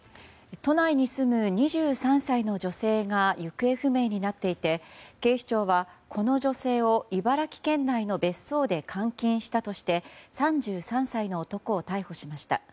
都内に住む２３歳の女性が行方不明になっていて警視庁はこの女性を茨城県内の別荘で監禁したとして３３歳の男を逮捕しました。